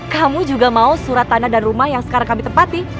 kamu juga mau surat tanah dan rumah yang sekarang kami tempati